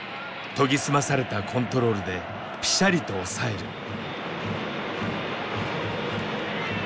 研ぎ澄まされたコントロールでぴしゃりと抑える。